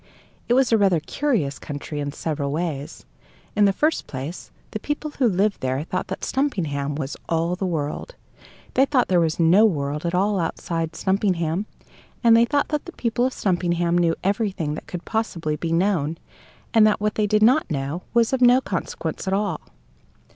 It was a rather curious country in several ways. In the first place, the people who lived there thought that Stumpinghame was all the world; they thought there was no world at all outside Stumpinghame. And they thought that the people of Stumpinghame knew everything that could possibly be known, and that what they did not know was of no consequence at all.